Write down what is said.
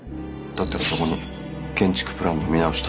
だったらそこに建築プランの見直し